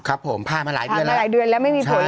ครับผมผ่านมาหลายเดือนแล้วไม่มีผลเลยนะ